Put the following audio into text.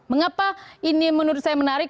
mengapa ini menurut saya menarik